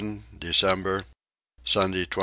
December. Sunday 23.